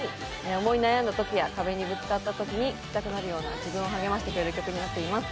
思い悩んだときや、壁にぶつかったときに聴きたくなるような自分を励ましてくれる曲になっています。